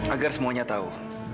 agar semuanya tahu